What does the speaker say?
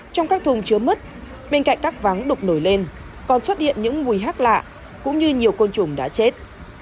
trong các thùng chứa mứt bên cạnh tắc đục nổi lên còn xuất hiện những mùi hát lạ cũng như nhiều côn trùng đã chết